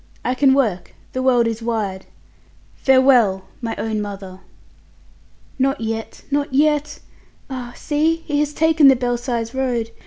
I can work. The world is wide. Farewell! my own mother!" "Not yet, not yet! Ah! see he has taken the Belsize Road.